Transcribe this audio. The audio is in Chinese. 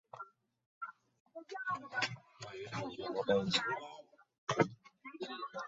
布巴内什瓦尔是印度奥里萨邦首府。